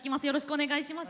お願いします。